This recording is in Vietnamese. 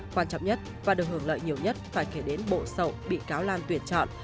quan trọng nhất và được hưởng lợi nhiều nhất phải kể đến bộ sậu bị cáo lan tuyển chọn